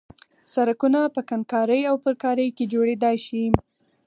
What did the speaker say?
سرکونه په کندنکارۍ او پرکارۍ کې جوړېدای شي